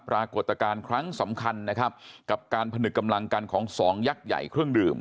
ปรากฏการณ์ครั้งสำคัญนะครับกับการผนึกกำลังกันของสองยักษ์ใหญ่เครื่องดื่ม